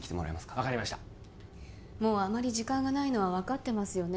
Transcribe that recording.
分かりましたもうあまり時間がないのは分かってますよね